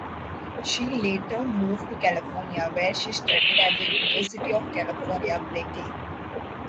She later moved to California, where she studied at the University of California, Berkeley.